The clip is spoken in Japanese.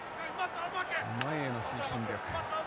前への推進力。